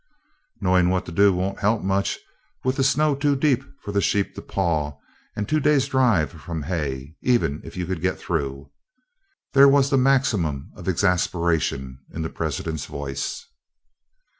"Knowing what to do won't help much, with the snow too deep for the sheep to paw, and a two days' drive from hay, even if you could get through." There was the maximum of exasperation in the president's voice.